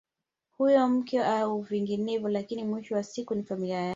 Huyo mke au vinginevyo lakini mwisho wa siku ni familia yake